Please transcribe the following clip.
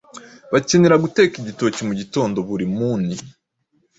Bakenera guteka igitoki mugitondo buri muni